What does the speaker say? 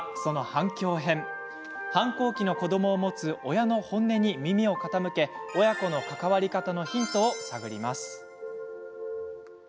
反抗期の子どもを持つ親の本音に耳を傾け親子の関わり方のヒントを探ります。